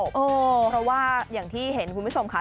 เพราะว่าอย่างที่เห็นคุณผู้ชมค่ะ